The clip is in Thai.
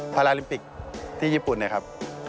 พาราลิมปิกที่ญี่ปุ่นนะครับ